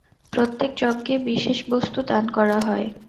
প্রত্যেক যজ্ঞে বিশেষ বস্তু দান করা হয়।